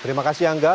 terima kasih angga